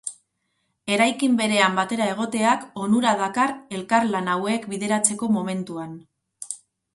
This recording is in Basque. Eraikin berean batera egoteak onura dakar elkarlan hauek bideratzeko momentuan.